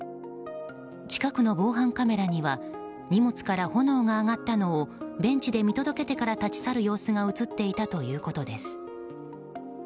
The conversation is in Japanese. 近くの防犯カメラには荷物から炎が上がったのをベンチで見届けてから立ち去る様子が映っていたということです。